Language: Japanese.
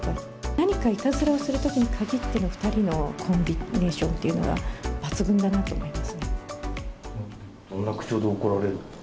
何かいたずらをするときに限っての２人のコンビネーションっていどんな口調で怒られるんです